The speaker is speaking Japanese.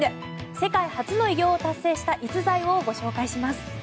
世界初の偉業を達成した逸材をご紹介します。